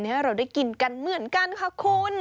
ให้เราได้กินกันเหมือนกันค่ะคุณ